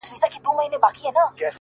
عجب راگوري د خوني سترگو څه خون راباسـي!